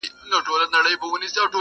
یو له بله سره بېل سو په کلونو.!